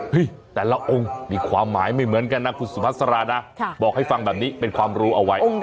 แต่ละองค์มีความหมายไม่เหมือนกันนะคุณสุภาษานะบอกให้ฟังแบบนี้เป็นความรู้เอาไว้